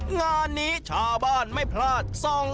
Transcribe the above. งานนี้ชาวบ้านไม่พลาด